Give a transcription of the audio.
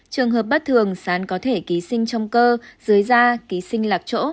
trường hợp bất thường sán có thể ký sinh trong cơ dưới da ký sinh lạc chỗ